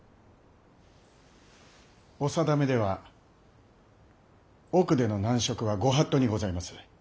お定めでは奥での男色は御法度にございます。